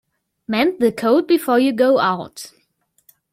Mend the coat before you go out.